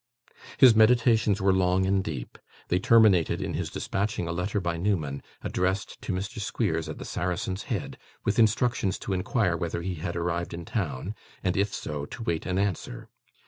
His meditations were long and deep. They terminated in his dispatching a letter by Newman, addressed to Mr. Squeers at the Saracen's Head, with instructions to inquire whether he had arrived in town, and, if so, to wait an answer.